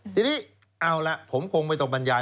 ทีนี้เอาล่ะผมคงไม่ต้องบรรยาย